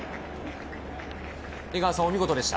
江川さん、お見事でした。